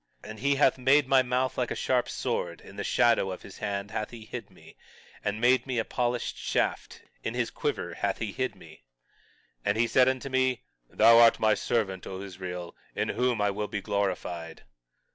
21:2 And he hath made my mouth like a sharp sword; in the shadow of his hand hath he hid me, and made me a polished shaft; in his quiver hath he hid me; 21:3 And said unto me: Thou art my servant, O Israel, in whom I will be glorified.